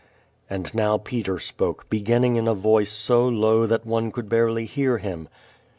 And now Peter spoke, beginning in a voice so low that one could barely hear him.